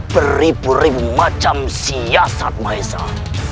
beribu ribu macam siasat maezah